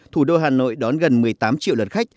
thủ đô hà nội đón gần một mươi tám triệu lượt khách